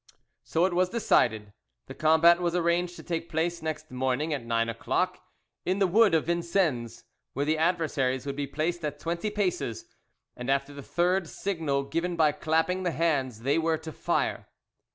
So it was decided. The combat was arranged to take place next morning at nine o'clock, in the wood of Vincennes, where the adversaries would be placed at twenty paces, and after the third signal given by clapping the hands they were to fire.